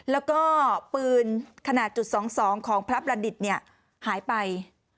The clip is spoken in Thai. แล้วก็ปืนขนาด๒๒ของพระบัณฑิตหายไป